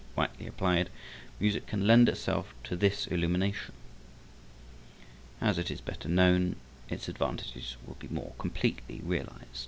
Rightly applied, music can lend itself to this illumination. As it is better known, its advantages will be more completely realiz